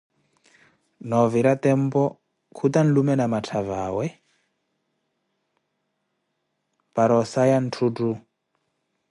Novira tempu, khuta alume namatthavi awa para osaya ntthuttu.